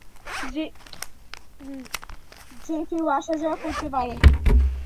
যে কেউ আসা যাওয়া করতে পারে।